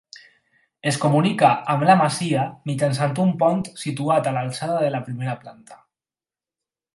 Es comunica amb la masia mitjançant un pont situat a l'alçada de la primera planta.